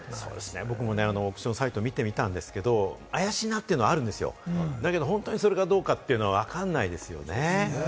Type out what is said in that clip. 僕もサイト見てみたんですけれども、怪しいなっていうのはあるんですけれども、本当にそれがどうかは分かんないですよね。